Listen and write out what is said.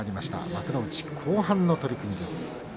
幕内後半の取組です。